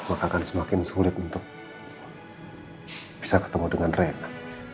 maka akan semakin sulit untuk bisa ketemu dengan rena